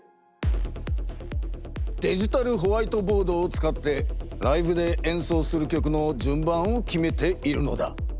デジタルホワイトボードを使ってライブでえんそうする曲のじゅんばんを決めているのだ。